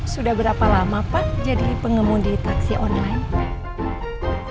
sudah berapa lama pak jadi pengemudi taksi online